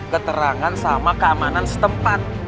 keterangan sama keamanan setempat